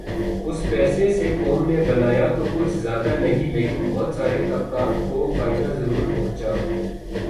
اس پیسے سے قوم نے بنایا تو کچھ زیادہ نہیں لیکن بہت سارے طبقات کو فائدہ ضرور پہنچا۔